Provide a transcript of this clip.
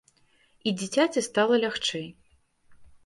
І дзіцяці стала лягчэй.